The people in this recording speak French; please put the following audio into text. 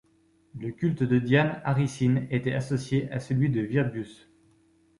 Le culte de Diane Aricine était associé à celui de Virbius.